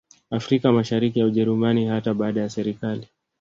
Afrika Mashariki ya Ujerumani hata baada ya serikali